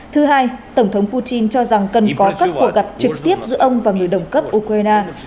thứ hai tổng thống putin cho rằng cần có các cuộc gặp trực tiếp giữa ông và người đồng cấp ukraine